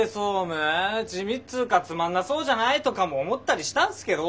地味っつうかつまんなそうじゃない？」とかも思ったりしたんすけど。